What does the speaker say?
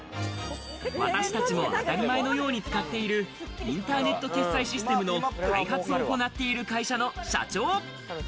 私たちも当たり前のように使っているインターネット決済システムの開発を行っている会社の社長。